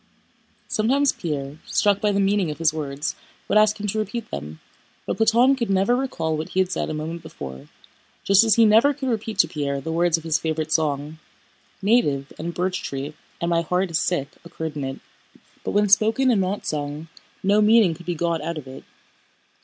Sometimes Pierre, struck by the meaning of his words, would ask him to repeat them, but Platón could never recall what he had said a moment before, just as he never could repeat to Pierre the words of his favorite song: native and birch tree and my heart is sick occurred in it, but when spoken and not sung, no meaning could be got out of it.